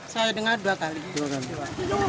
saya dengar dua kali